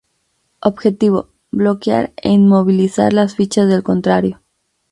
Objetivo: Bloquear e inmovilizar las fichas del contrario.